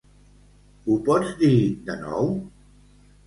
Ho pots dir de nou?